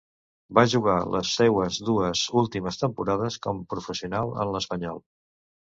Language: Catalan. Va jugar les seues dues últimes temporades com professional en l'Espanyol.